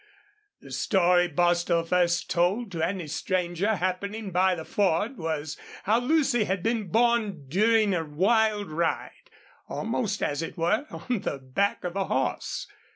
The story Bostil first told to any stranger happening by the Ford was how Lucy had been born during a wild ride almost, as it were, on the back of a horse.